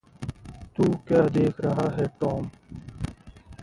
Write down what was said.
तू क्या देख रहा है, टॉम?